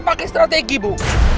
pakai strategi bu